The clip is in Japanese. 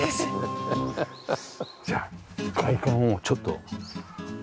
じゃあ外観をちょっと。